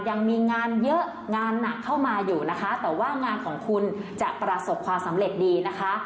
ยังมีงานเยอะงานหนักเข้ามาอยู่นะคะแต่ว่างานของคุณจะประสบความสำเร็จดีนะคะ